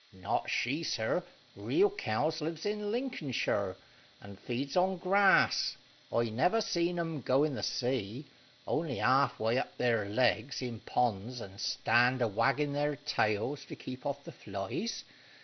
"Not she, sir. Real cows lives in Lincolnshire, and feeds on grass. I never see 'em go in the sea, only halfway up their legs in ponds, and stand a waggin' their tails to keep off the flies.